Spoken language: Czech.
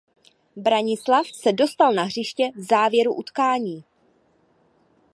Branislav se dostal na hřiště v závěru utkání.